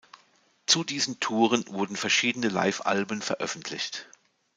Zu diesen Touren wurden verschiedene Live-Alben veröffentlicht.